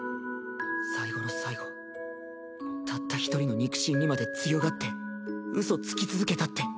最期の最期たった一人の肉親にまで強がってうそつき続けたって